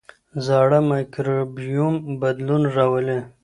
زاړه مایکروبیوم بدلون راولي.